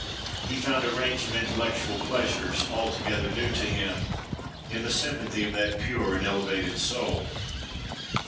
He found a range of intellectual pleasures, altogether new to him, in the sympathy of that pure and elevated soul.